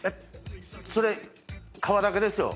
それ皮だけですよ